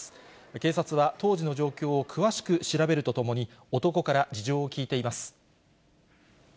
警察は当時の状況を詳しく調べるとともに、男から事情を聴いています。